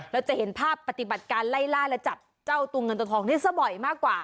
เราจะเห็นภาพปฏิบัติการไล่ล่าและจับเจ้าตัวเงินตัวทองนี้ซะบ่อยมากกว่า